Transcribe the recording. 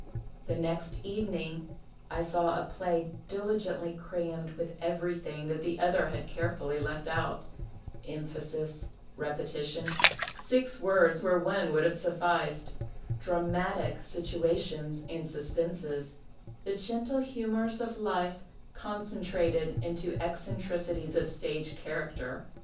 The next evening I saw a play diligently crammed with everything that the other had care fully left out — emphasis, repetition, six words where one would have sufliccd, " dramatic " situations and suspenses, the gentle humours of life concentrated into eccentricities of stage " character."'